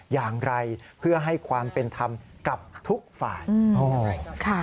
อย่างไรเพื่อให้ความเป็นธรรมกับทุกฝ่าย